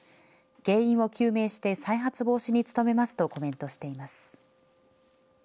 原因を究明して再発防止に努めますとコメントしています。